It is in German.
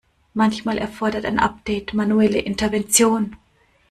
Manchmal erfordert ein Update manuelle Intervention.